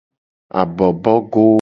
Abobogo.